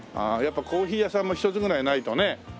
ああやっぱコーヒー屋さんも一つぐらいないとね。